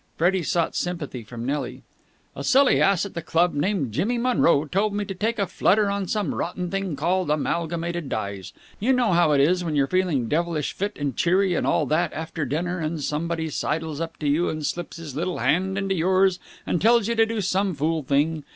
Freddie sought sympathy from Nelly. "A silly ass at the club named Jimmy Monroe told me to take a flutter in some rotten thing called Amalgamated Dyes. You know how it is, when you're feeling devilish fit and cheery and all that after dinner, and somebody sidles up to you and slips his little hand in yours and tells you to do some fool thing.